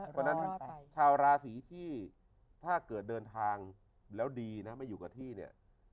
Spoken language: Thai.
เพราะฉะนั้นชาวราศีที่ถ้าเกิดเดินทางแล้วดีนะไม่อยู่กับที่เนี่ย